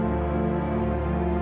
apakah itu sungguhan